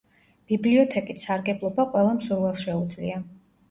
ბიბლიოთეკით სარგებლობა ყველა მსურველს შეუძლია.